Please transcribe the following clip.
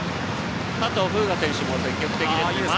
佐藤風雅選手も積極的ですね。